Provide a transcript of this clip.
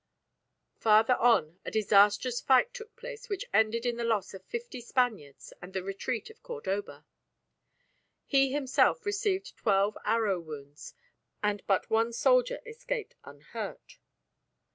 Farther on a disastrous fight took place which ended in the loss of fifty Spaniards and the retreat of Cordoba. He himself received twelve arrow wounds, and but one soldier escaped unhurt.